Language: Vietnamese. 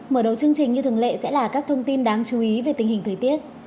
mở đầu chương trình như thường lệ sẽ là các thông tin đáng chú ý về tình hình thời tiết